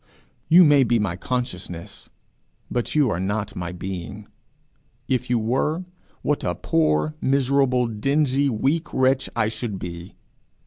You may be my consciousness, but you are not my being. If you were, what a poor, miserable, dingy, weak wretch I should be!